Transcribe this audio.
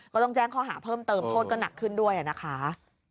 ก็ต้องแจ้งข้อหาเพิ่มเติมโทษก็หนักขึ้นด้วยนะคะ